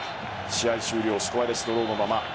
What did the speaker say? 試合終了スコアレスドローのまま。